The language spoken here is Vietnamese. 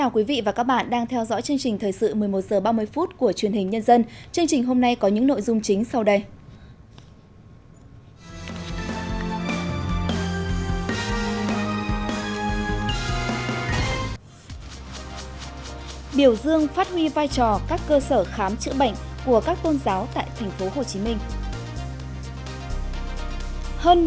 các bạn hãy đăng ký kênh để ủng hộ kênh của chúng mình nhé